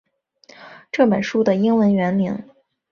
这本书的英文原名